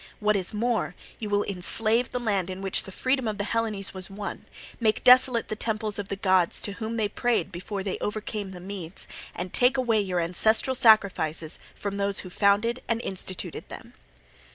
What is more, you will enslave the land in which the freedom of the Hellenes was won, make desolate the temples of the gods to whom they prayed before they overcame the Medes, and take away your ancestral sacrifices from those who founded and instituted them.